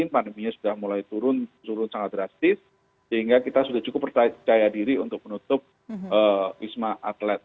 pandeminya sudah mulai turun turun sangat drastis sehingga kita sudah cukup percaya diri untuk menutup wisma atlet